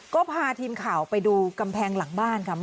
ก็พาทีมข่าวไปดูกำแพงหลังบ้านค่ะ